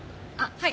はい。